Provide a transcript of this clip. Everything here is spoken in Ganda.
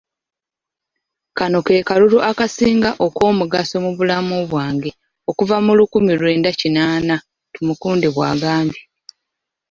“Kano ke kalulu akasinga ok'omugaso mu bulamu bwange okuva mu lukumi lwenda kinaana,” Tumukunde bw'agambye.